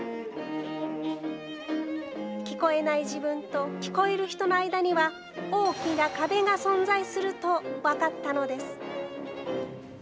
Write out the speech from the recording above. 聞こえない自分と聞こえる人の間には、大きな壁が存在すると分かったのです。